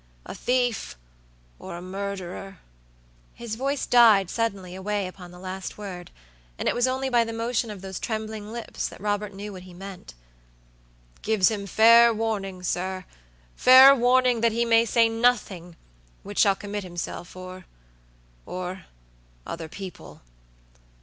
"A thief or a murderer" His voice died suddenly away upon the last word, and it was only by the motion of those trembling lips that Robert knew what he meant. "Gives him warning, sir, fair warning, that he may say nothing which shall commit himselfororother people.